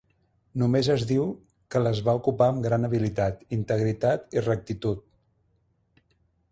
Només es diu que les va ocupar amb gran habilitat, integritat i rectitud.